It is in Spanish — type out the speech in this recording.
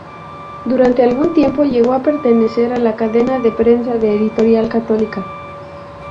Durante algún tiempo llegó a pertenecer a la cadena de prensa de Editorial Católica.